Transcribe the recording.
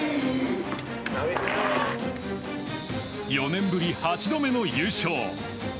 ４年ぶり８度目の優勝。